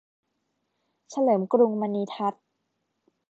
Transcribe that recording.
เฉลิมกรุงมณีทัศน์